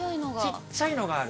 ちっちゃいのがある。